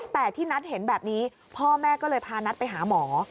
แต่ที่นัทเห็นแบบนี้พ่อแม่ก็เลยพานัทไปหาหมอ